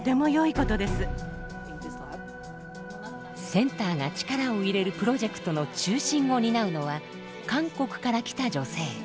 センターが力を入れるプロジェクトの中心を担うのは韓国から来た女性。